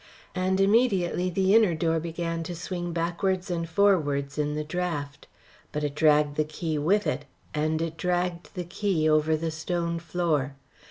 And immediately the inner door began to swing backwards and forwards in the draught. But it dragged the key with it, and it dragged the key over the stone floor.